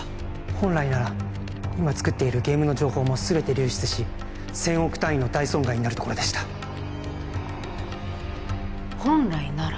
本来なら今作っているゲームの情報も全て流出し千億単位の大損害になるところでした本来なら？